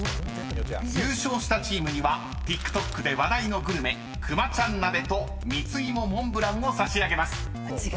［優勝したチームにはＴｉｋＴｏｋで話題のグルメくまちゃん鍋と蜜芋モンブランを差し上げます］